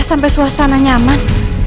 sampai suasananya aman